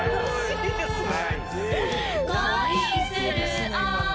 いいですね。